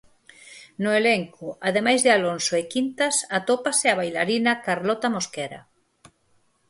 No elenco, ademais de Alonso e Quintas atópase a bailarina Carlota Mosquera.